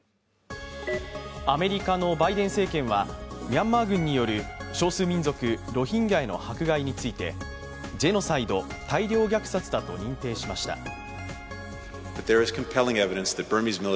アメリカのバイデン政権はミャンマー軍による少数民族ロヒンギャへの迫害についてジェノサイド＝大量虐殺だと認定しました。